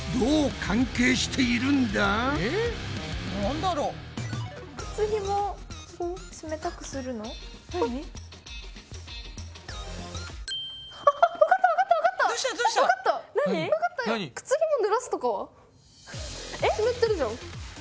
乾いてるじゃん。